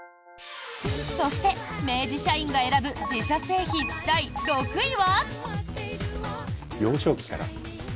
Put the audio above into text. そして、明治社員が選ぶ自社製品第６位は。